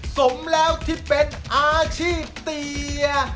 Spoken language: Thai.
สมแล้วที่เป็นอาชีพเตีย